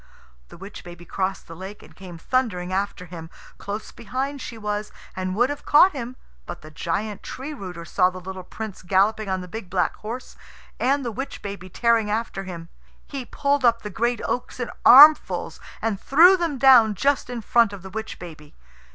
The witch baby crossed the lake and came thundering after him. Close behind she was, and would have caught him; but the giant Tree rooter saw the little Prince galloping on the big black horse, and the witch baby tearing after him. He pulled up the great oaks in armfuls, and threw them down just in front of the witch baby.